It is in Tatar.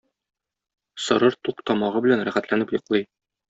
Сорыр тук тамагы белән рәхәтләнеп йоклый.